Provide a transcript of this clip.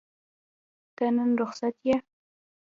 ته نن رخصت یې؟